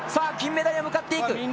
金メダルへ向かっていく。